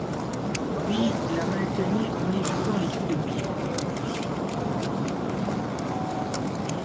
Lui, la maintenait, en évitant les coups de pied.